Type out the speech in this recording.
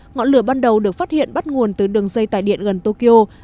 ngọn lửa ban đầu được phát hiện bắt nguồn từ đường dây tải điện gần tokyo